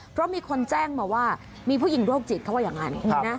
เพราะมีคนแจ้งมาว่ามีผู้หญิงโรคจิตเขาว่าอย่างนั้น